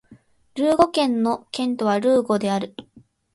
ルーゴ県の県都はルーゴである